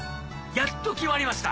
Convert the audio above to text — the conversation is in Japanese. やっと決まりました！